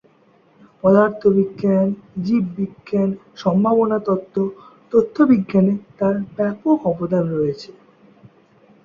পদার্থবিজ্ঞান, জীববিজ্ঞান, সম্ভাবনা তত্ত্ব, তথ্য বিজ্ঞানে তার ব্যাপক অবদান আছে।